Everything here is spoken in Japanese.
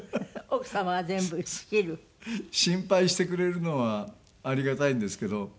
奥様は全部仕切る？心配してくれるのはありがたいんですけど。